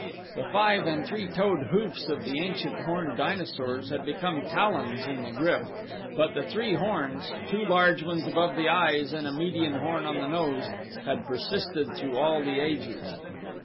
The five and three toed hoofs of the ancient horned dinosaurs had become talons in the GRYF, but the three horns, two large ones above the eyes and a median horn on the nose, had persisted through all the ages.